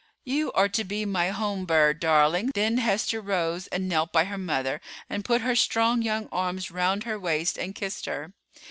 "You are to be my home bird, darling." Then Hester rose and knelt by her mother, and put her strong young arms round her waist and kissed her.